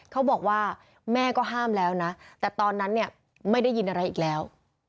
เขาบอกว่าแม่ก็ห้ามแล้วนะแต่ตอนนั้นเนี่ยไม่ได้ยินอะไรอีกแล้ว